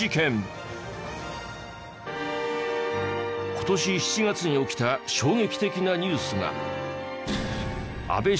今年７月に起きた衝撃的なニュースが。